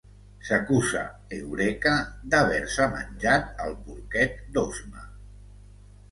S'acusa Eureka d'haver-se menjat el porquet d'Ozma.